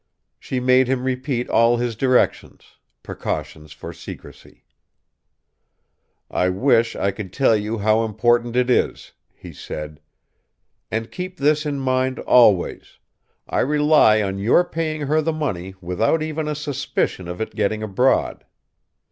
She made him repeat all his directions, precautions for secrecy. "I wish I could tell you how important it is," he said. "And keep this in mind always: I rely on your paying her the money without even a suspicion of it getting abroad.